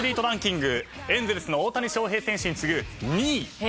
エンゼルスの大谷翔平選手に次ぐ２位。